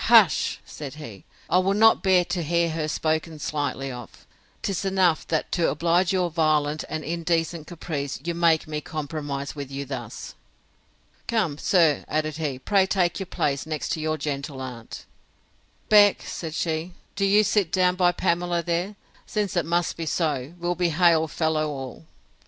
hush! said he: I will not bear to hear her spoken slightly of! 'Tis enough, that, to oblige your violent and indecent caprice, you make me compromise with you thus. Come, sir, added he, pray take your place next your gentle aunt!—Beck, said she, do you sit down by Pamela there, since it must be so; we'll be hail fellow all!